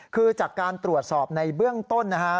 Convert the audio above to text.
คือจากการตรวจสอบในเบื้องต้นนะฮะ